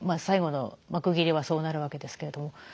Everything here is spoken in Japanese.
最後の幕切れはそうなるわけですけれど。